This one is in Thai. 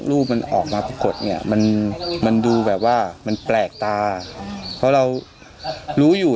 รูปมันออกมาปรากฏเนี่ยมันมันดูแบบว่ามันแปลกตาเพราะเรารู้อยู่